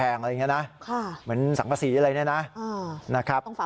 ตรงฝาผนังน่ะนะ